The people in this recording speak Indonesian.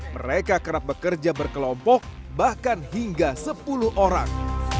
mereka kerap bekerja berkelompok bahkan hingga sepuluh orang